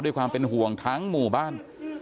ด้วยความเป็นห่วงทั้งหมู่บ้าน